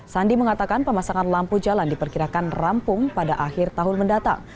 sandi mengatakan pemasangan lampu jalan diperkirakan rampung pada akhir tahun mendatang